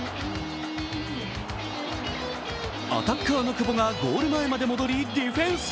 アタッカーの久保がゴール前まで戻りディフェンス。